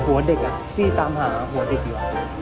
หัวเด็กที่ตามหาหัวเด็กอยู่